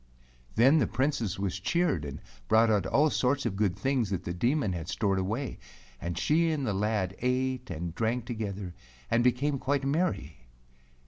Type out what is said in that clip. Then the Princess was cheered and brought out all sorts of good things that the Demon had stored away, and she and the lad ate and drank together and became quite merry.